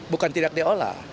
bukan tidak diolah